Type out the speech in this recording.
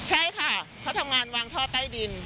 ใช่ค่ะเขาทำงานวางท่อใต้ดิน